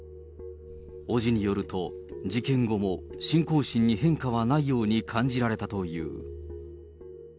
伯父によると、事件後も信仰心に変化はないように感じられたという。